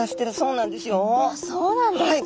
そうなんですか。